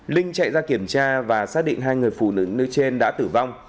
linh chạy ra kiểm tra và xác định hai người phụ nữ nơi trên đã tử vong